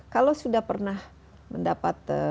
kalau sudah pernah mendapat